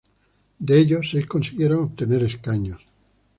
De ellas, seis consiguieron obtener escaños.